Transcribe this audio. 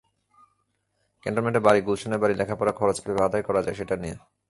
ক্যান্টনমেন্টের বাড়ি, গুলশানের বাড়ি, লেখাপড়ার খরচ কীভাবে আদায় করা যায়, সেটা নিয়ে।